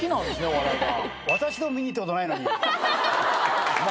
お笑いが。